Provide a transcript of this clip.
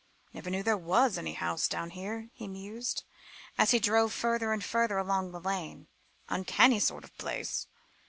"Never knew there was any house down here," he mused, as he drove further and further along the lane; "uncanny sort of place."